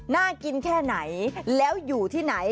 น่ากินแค่ไหนแล้วอยู่ที่ไหน